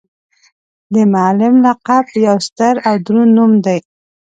د معلم لقب یو ستر او دروند نوم دی.